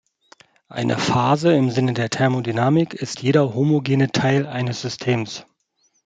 Eine Phase im Sinne der Thermodynamik ist jeder homogene Teil eines Systems.